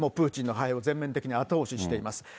もうプーチンを全面的に後押ししています。